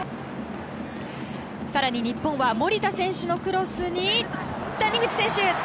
更に日本は守田選手のクロスに谷口選手。